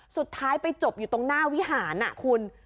สุดท้ายไปจบอยู่ตรงหน้าวิหารคุณ